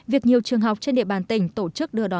việc nhiều trường học trên địa bàn tỉnh tổ chức đưa đón học